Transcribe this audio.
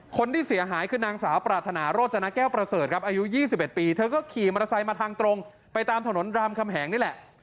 คนที่เสียหายคือนางสาวปรารถนาโรจนะแก้วประเสริฐครับอายุ๒๑ปีเธอก็ขี่มอเตอร์ไซค์มาทางตรงไปตามถนนรามคำแหงนี่แหละ